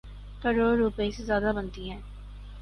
کروڑ روپے سے زیادہ بنتی ہے۔